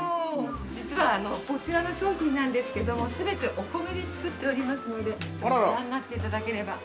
実は、こちらの商品なんですけども、全てお米で作っておりますので、ご覧になっていただければ。